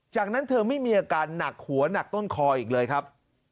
จากนั้นเธอไม่มีอาการหนักหัวหนักต้นคออีกเลยครับ